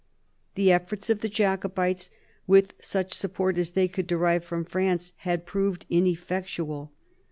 The efforts of the Jacobites, with such support as they could derive from France, had proved ineffectual.